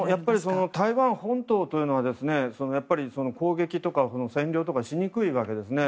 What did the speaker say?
台湾本島というのは攻撃とか占領とかしにくいわけですね。